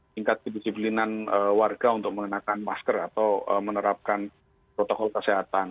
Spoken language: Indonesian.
tingkat kedisiplinan warga untuk mengenakan masker atau menerapkan protokol kesehatan